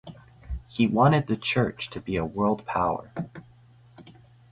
He wanted the Church to be a world power.